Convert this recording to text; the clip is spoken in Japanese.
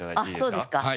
あっそうですか。